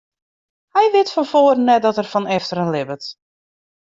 Hy wit fan foaren net dat er fan efteren libbet.